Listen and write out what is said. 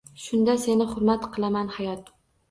Shunda seni hurmat qilaman hayot